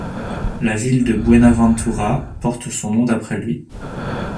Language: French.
La ville de Buenaventura porte son nom d’après lui.